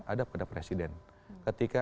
ada pada presiden ketika